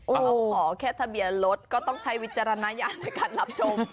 เราขอแค่ทะเบียนรถก็ต้องใช้วิจารณญาณในการรับชม